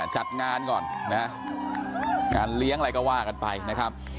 จัดงานก่อนนะงานเลี้ยงอะไรก็ว่ากันไปนะครับ